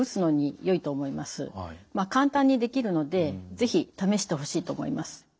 簡単にできるので是非試してほしいと思います。